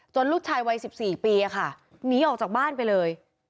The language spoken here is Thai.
จนลูกชายวัยสิบสี่ปีอ่ะค่ะหนีออกจากบ้านไปเลย